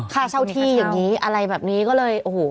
ค่าเช่าที่อย่างนี้อะไรแบบนี้ก็เลยโอ้โห